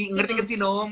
ngerti kan sih nung